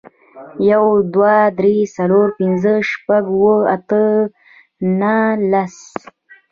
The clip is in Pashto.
یو, دوه, درې, څلور, پنځه, شپږ, اووه, اته, نه, لس